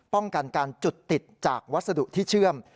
ป้องกันการจุดติดจากวัสดุที่เชื่อม